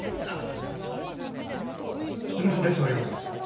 なんでそれを？